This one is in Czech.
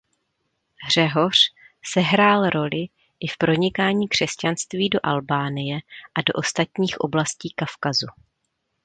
Řehoř sehrál roli i v pronikání křesťanství do Albánie a do ostatních oblastí Kavkazu.